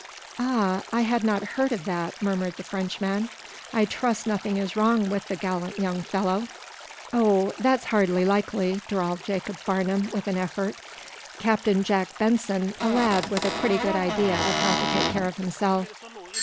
"Ah! I had not heard of that," murmured the Frenchman. "I trust nothing is wrong with the gallant young fellow." "Oh, that's hardly likely," drawled Jacob Farnum, with an effort. "Captain Jack Benson a lad with a pretty good idea of how to take care of himself."